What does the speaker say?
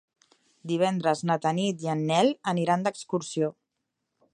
Divendres na Tanit i en Nel aniran d'excursió.